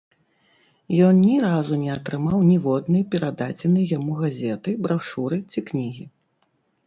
Ён ні разу не атрымаў ніводнай перададзенай яму газеты, брашуры ці кнігі.